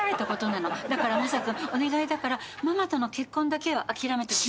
だからマサ君お願いだからママとの結婚だけは諦めてほしい。